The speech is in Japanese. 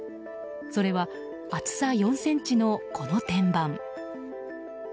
それは、厚さ４ｃｍのこの天板。